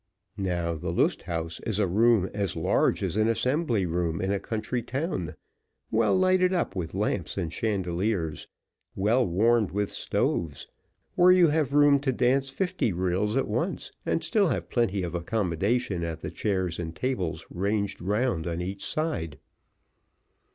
Now, the Lust Haus is a room as large as an assembly room in a country town, well lighted up with lamps and chandeliers, well warmed with stoves, where you have room to dance fifty reels at once, and still have plenty of accommodation at the chairs and tables ranged round on each side.